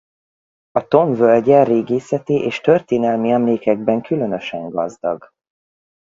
A Tom völgye régészeti és történelmi emlékekben különösen gazdag.